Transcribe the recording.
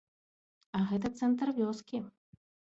А гэта цэнтр вёскі!